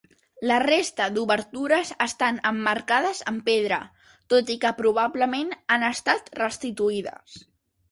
La resta d'obertures estan emmarcades amb pedra, tot i que probablement han estat restituïdes.